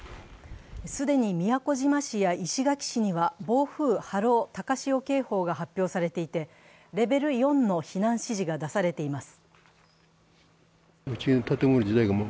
既に宮古島市や石垣市には暴風・波浪・高潮警報が発表されていてレベル４の避難指示が出されています。